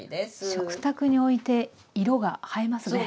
食卓に置いて色が映えますね。